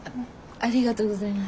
ありがとうございます。